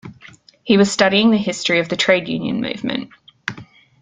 He was studying the history of the trade union movement